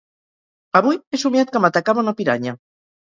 Avui he somiat que m'atacava una piranya.